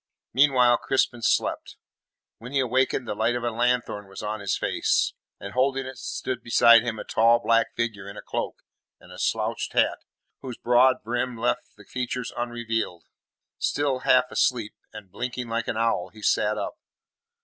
Meanwhile Crispin slept. When he awakened the light of a lanthorn was on his face, and holding it stood beside him a tall black figure in a cloak and a slouched hat whose broad brim left the features unrevealed. Still half asleep, and blinking like an owl, he sat up.